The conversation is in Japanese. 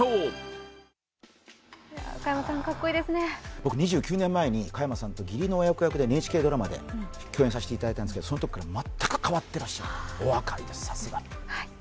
僕、２９年前に義理の親子役でＮＨＫドラマで共演されたんですけど、そのときから全く変わっていません、お若いです、さすが。